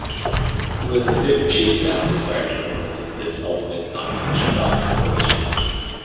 He was the fifth chief master sergeant appointed to this ultimate noncommissioned officer position.